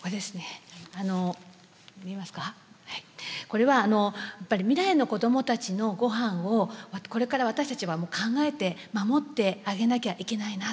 これはやっぱり未来の子どもたちのごはんをこれから私たちはもう考えて守ってあげなきゃいけないな。